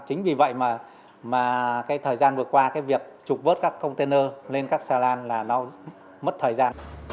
chính vì vậy mà cái thời gian vừa qua cái việc trục vớt các container lên các xà lan là nó mất thời gian